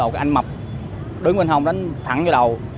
một cái anh mập đứng bên hông đánh thẳng vô đầu